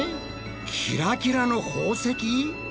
キラキラの宝石？